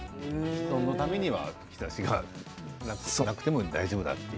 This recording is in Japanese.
そのためには日ざしがなくても大丈夫だと。